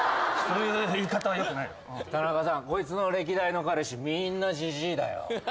こいつの歴代の彼氏みんなじじいだよ。